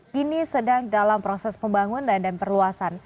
kini sedang dalam proses pembangunan dan perluasan